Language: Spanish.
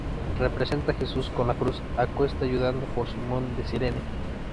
Representa a Jesús con la cruz acuesta ayudado por Simón de Cirene.